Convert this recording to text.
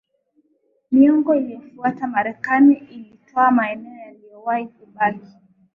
miongo iliyofuata Marekani ilitwaa maeneo yaliyowahi kubaki